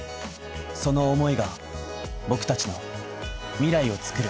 その思いが僕達の未来をつくる